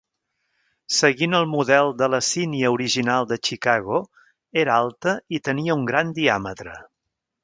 Seguint el model de la sínia original de Chicago, era alta i tenia un gran diàmetre.